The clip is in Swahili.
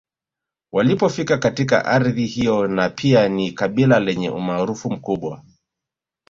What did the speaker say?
Walipofika katika ardhi hiyo na pia ni kabila lenye umaarufu mkubwa